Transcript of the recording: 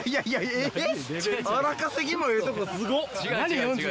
えっ！